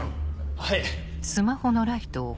はい。